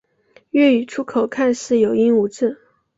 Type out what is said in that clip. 粤语粗口看似有音无字。